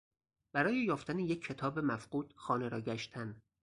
برای یافتن یک کتاب مفقود خانه را گشتن